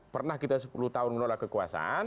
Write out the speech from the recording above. pernah kita sepuluh tahun menolak kekuasaan